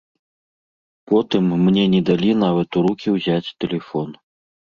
Потым мне не далі нават у рукі ўзяць тэлефон.